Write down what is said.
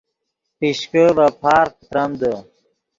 پیشکے ڤے پارغ پتریمدے